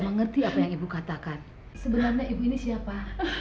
mengerti apa yang ibu katakan sebenarnya ibu ini siapa